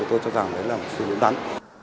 tôi cho rằng đấy là một số yếu tố đắn